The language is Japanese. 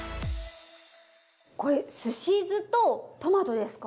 これすし酢とトマトですか。